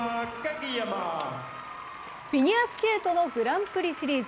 フィギュアスケートのグランプリシリーズ。